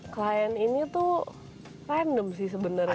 klien ini tuh random sih sebenarnya